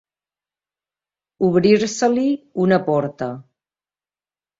Obrir-se-li una porta.